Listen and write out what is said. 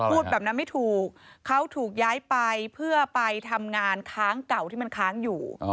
พูดแบบนั้นไม่ถูกเขาถูกย้ายไปเพื่อไปทำงานค้างเก่าที่มันค้างอยู่